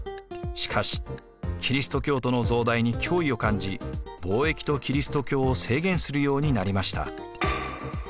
しかしキリスト教徒の増大に脅威を感じ貿易とキリスト教を制限するようになりました。